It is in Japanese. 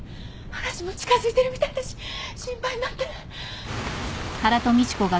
嵐も近づいてるみたいだし心配になって。